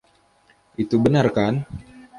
Itu benar, kan?